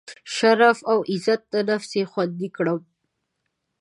شرف او عزت نفس یې خوندي کړم.